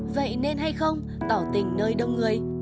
vậy nên hay không tỏ tình nơi đông người